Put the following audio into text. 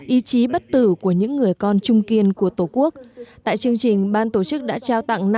ý chí bất tử của những người con trung kiên của tổ quốc tại chương trình ban tổ chức đã trao tặng